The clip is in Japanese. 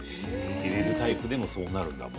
入れるタイプでもそうなるんだもう。